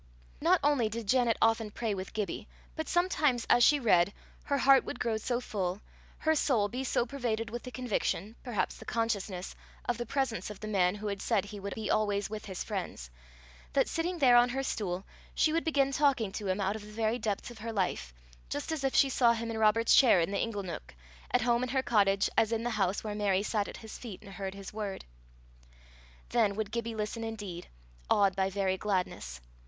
Not only did Janet often pray with Gibbie, but sometimes as she read, her heart would grow so full, her soul be so pervaded with the conviction, perhaps the consciousness, of the presence of the man who had said he would be always with his friends, that, sitting there on her stool, she would begin talking to him out of the very depth of her life, just as if she saw him in Robert's chair in the ingle neuk, at home in her cottage as in the house where Mary sat at his feet and heard his word. Then would Gibbie listen indeed, awed by very gladness.